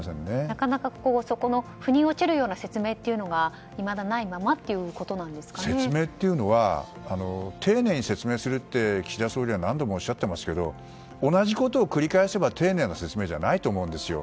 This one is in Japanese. なかなか、腑に落ちるような説明というのが、いまだ説明というのは丁寧に説明するって岸田総理は何度もおっしゃっていますが同じことを繰り返せば丁寧な説明じゃないと思うんですよ。